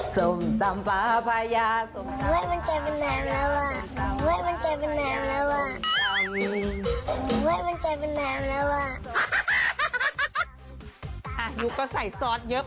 ส้มตำพระพยาส้มตำพระพยาส้มตำ